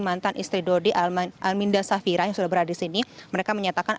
mantan istri dodi alminda safira yang sudah berada di sini mereka menyatakan